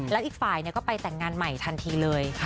แล้วอีกฝ่ายก็ไปแต่งงานใหม่ทันทีเลย